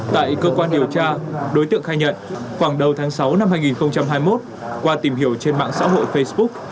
tại cơ quan điều tra đối tượng khai nhận khoảng đầu tháng sáu năm hai nghìn hai mươi một qua tìm hiểu trên mạng xã hội facebook